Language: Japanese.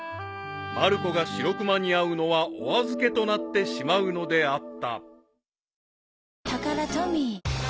［まる子がシロクマに会うのはお預けとなってしまうのであった］